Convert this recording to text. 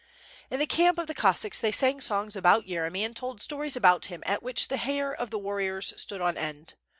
In the camp of the Cossacks they sang songs about Yeremy and told stories about him at which the hair of the warriors stood on end.